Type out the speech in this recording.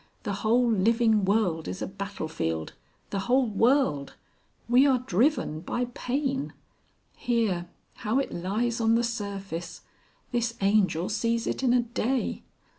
The whole living world is a battle field the whole world. We are driven by Pain. Here. How it lies on the surface! This Angel sees it in a day!"